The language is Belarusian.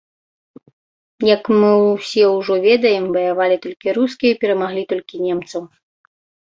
Як мы ўсе ўжо ведаем, ваявалі толькі рускія, і перамаглі толькі немцаў.